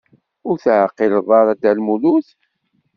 Ur teɛqileḍ ara Dda Lmulud?